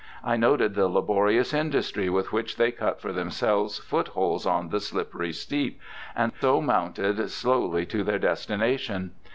I noted the labo rious industry with which they cut for themselves footholds on the slippery steep, and so mounted slowly to their destination.